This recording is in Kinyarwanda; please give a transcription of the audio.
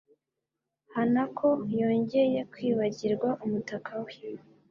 Hanako yongeye kwibagirwa umutaka we.